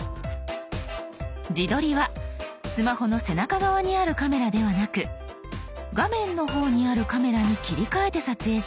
自撮りはスマホの背中側にあるカメラではなく画面の方にあるカメラに切り替えて撮影します。